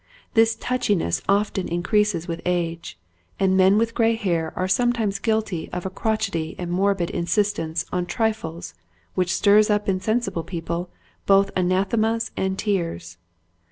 This touchiness often in creases with age, and men with gray hair are sometimes guilty of a crochety and morbid insistence on trifles which stirs up in sensible people both anathemas and tears.